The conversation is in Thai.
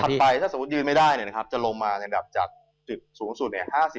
ถัดไปถ้าสมมุติยืนไม่ได้เนี่ยนะครับจะลงมาในระดับจากสูงสุด๕๐